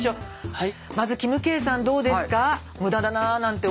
はい。